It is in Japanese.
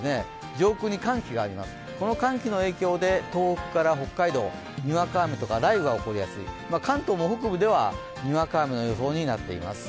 上空に寒気があります、この寒気の影響で東北から北海道、にわか雨とか雷雨が起こりやすい、関東も北部ではにわか雨の予報になっています。